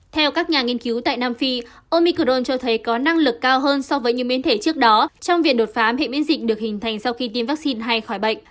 theo các nhà nghiên cứu tại nam phi omicron cho thấy có năng lực cao hơn so với những biến thể trước đó trong việc đột phá hệ miễn dịch được hình thành sau khi tiêm vaccine hay khỏi bệnh